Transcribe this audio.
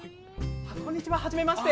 こんにちははじめまして。